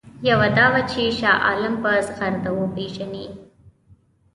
یوه دا وه چې شاه عالم په زغرده وپېژني.